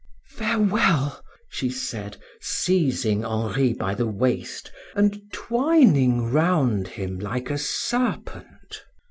Farewell," she said seizing Henri by the waist and twining round him like a serpent.